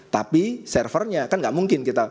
tapi servernya kan tidak mungkin